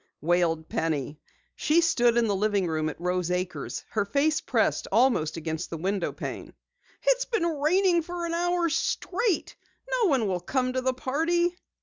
wailed Penny. She stood in the living room at Rose Acres, her face pressed almost against the window pane. "It's been raining for an hour straight! No one will come to the party."